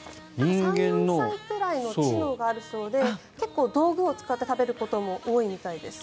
３４歳くらいの知能があるそうで結構、道具を使って食べることも多いみたいです。